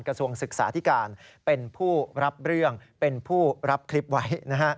กระทรวงศึกษาธิการเป็นผู้รับเรื่องเป็นผู้รับคลิปไว้